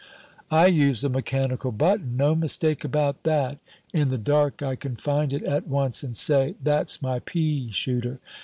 "I use a mechanical button. No mistake about that. In the dark I can find it at once and say, 'That's my pea shooter.